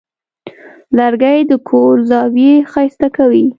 لرګی د کور زاویې ښایسته کوي.